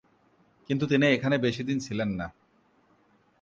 কিন্তু তিনি এখানে বেশিদিন ছিলেন না।